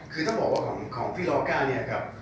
คือต้องบอกว่าของพี่ล็อกก้าเนี่ยครับ